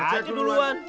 bapak belajar dulu an